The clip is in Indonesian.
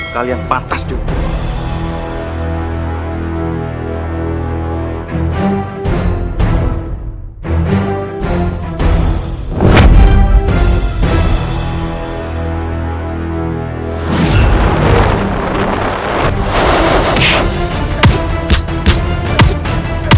kalian pantas juga